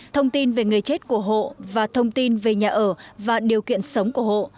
thông tin về người chết của hộ và thông tin về nhà ở và điều kiện sống của hộ